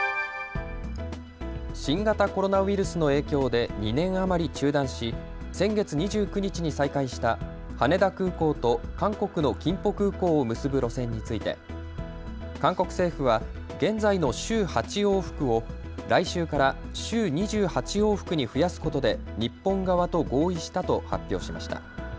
新型コロナウイルスの影響で２年余り中断し先月２９日に再開した羽田空港と韓国のキンポ空港を結ぶ路線について韓国政府は現在の週８往復を来週から週２８往復に増やすことで日本側と合意したと発表しました。